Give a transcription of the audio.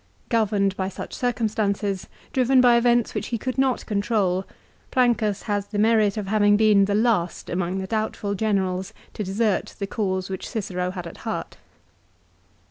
Governed by such circumstances, driven by events which he could not control, Plancus has the merit of having been the last among the doubtful generals to desert the cause which Cicero had at heart.